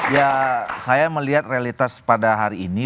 ya saya melihat realitas pada hari ini